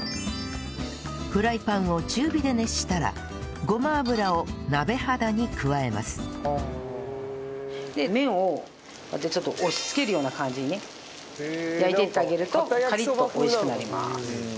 フライパンを中火で熱したらごま油を鍋肌に加えますで麺をこうやってちょっと押しつけるような感じに焼いていってあげるとカリッと美味しくなります。